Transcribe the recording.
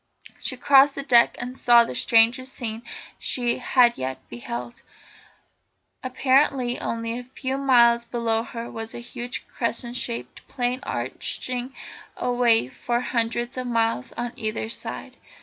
She crossed the deck, and saw the strangest scene she had yet beheld. Apparently only a few miles below her was a huge crescent shaped plain arching away for hundreds of miles on either side.